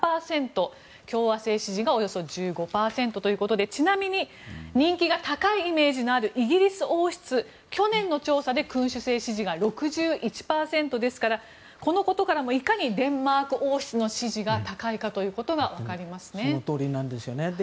共和制支持がおよそ１５％ということでちなみに人気が高いイメージのあるイギリス王室去年の調査で君主制支持が６１％ですからこのことからもいかにデンマーク王室の支持が高いかということが分かりますね。